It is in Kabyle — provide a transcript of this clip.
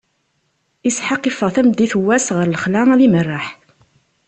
Isḥaq iffeɣ tameddit n wass ɣer lexla, ad imerreḥ.